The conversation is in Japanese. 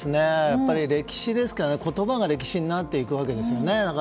やっぱり歴史ですから、言葉が歴史になっていくわけですよね。